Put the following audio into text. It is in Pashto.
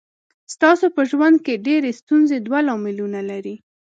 ستاسو په ژوند کې ډېرې ستونزې دوه لاملونه لري.